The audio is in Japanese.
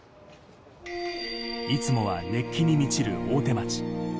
いつもは熱気に満ちる大手町。